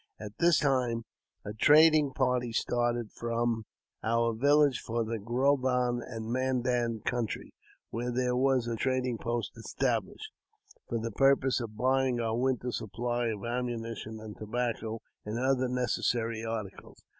At this time a trading party started from our village for the Grovan and Mandan country, where there was a trading post established, for the purpose of buying our winter supply of ammunition, and tobacco, and other necessary articles.